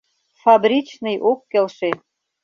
Фабричный ок келше.